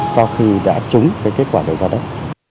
sau khi đã trúng cái kết quả đầu giao đất